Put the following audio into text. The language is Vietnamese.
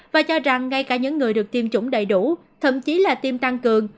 và cho rằng ngay cả những người được tiêm chủng đầy đủ thậm chí là tiêm tăng cường